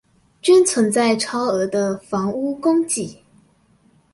均存在超額的房屋供給